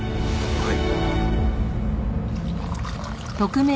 はい。